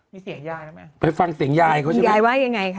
มีเสียงยายนะมั้ยไปฟังเสียงยายเขาจะเป็นยายไว้ยังไงค่ะ